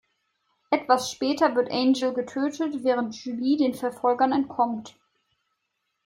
Etwas später wird Angel getötet während Julie den Verfolgern entkommt.